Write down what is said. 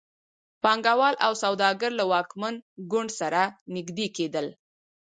پانګوال او سوداګر له واکمن ګوند سره نږدې کېدل.